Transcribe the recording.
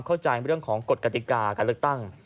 เข้าใจเรื่องของกฎกติกาการเลือกตั้ง